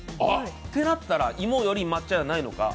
てなったら、芋より抹茶じゃないのか。